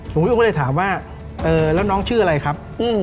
อุ้มพี่อุ้มก็เลยถามว่าแล้วน้องชื่ออะไรครับ